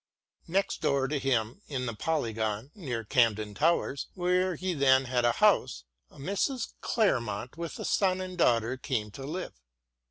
Next door to him in the Polygon, near Camden Town, where he then had a house, a Mrs. Clairmont with a son and daughter came to live.